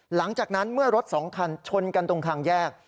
หลังจากนั้นเมื่อรถสองคันชนกันตรงทางแยก